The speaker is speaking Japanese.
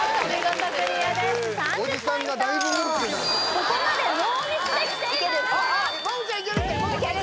ここまでノーミスできています